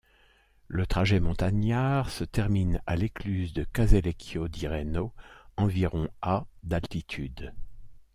Le trajet montagnard se termine à l'Écluse de Casalecchio di Reno, environ à d’altitude.